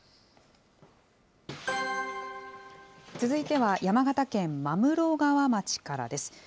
続いては、山形県真室川町からです。